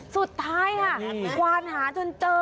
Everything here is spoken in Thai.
สุดท้ายเขาตัวความหาจนเจอ